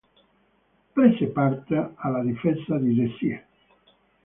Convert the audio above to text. Prese parte alla difesa di Dessiè.